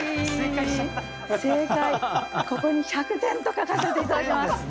ここに１００点と書かせて頂きます。